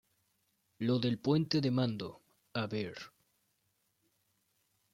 lo del puente de mando. a ver...